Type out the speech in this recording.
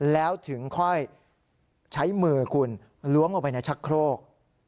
แล้วถึงค่อยใช้มือคุณล้วงลงไปในชักโครก